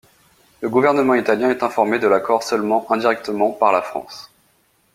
Le gouvernement italien est informé de l'accord seulement indirectement, par la France.